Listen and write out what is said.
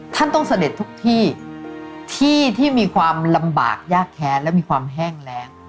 ท่านต้องเสด็จทุกที่ที่มีความลำบากยากแค้นและมีความแห้งแรง